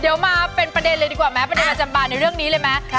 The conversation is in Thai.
เดี๋ยวมาเป็นประเด็นเลยดีกว่าไหมประเด็นประจำบานในเรื่องนี้เลยไหม